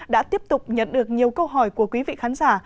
đã tiếp tục nhận được nhiều câu hỏi của quý vị khán giả